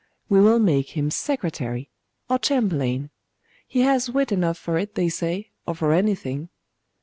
We will make him secretary, or chamberlain. He has wit enough for it, they say, or for anything.